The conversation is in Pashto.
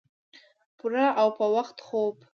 پوره او پۀ وخت خوب